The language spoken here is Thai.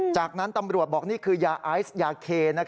จากนั้นตำรวจบอกนี่คือยาไอซ์ยาเค